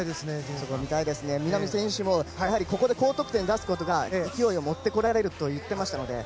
南選手もここで高得点を出すことで勢いを持ってこられると言っていましたので。